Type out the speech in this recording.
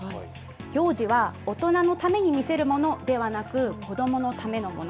行事は大人のために見せるものではなく、子どものためのもの。